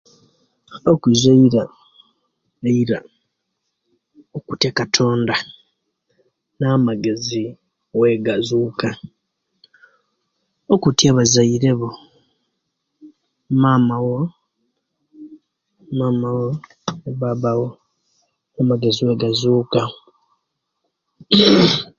Okuzwa eira, eira, okutya katonda, amagezi wegazuka, okutya abazaire bo, mama wo, mama wo, baba wo niwo amagezi owegazuka.